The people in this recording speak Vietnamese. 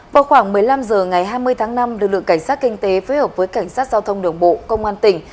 vào khoảng một mươi năm h ngày hai mươi tháng năm lực lượng cảnh sát kinh tế phối hợp với cảnh sát giao thông đường bộ công an tỉnh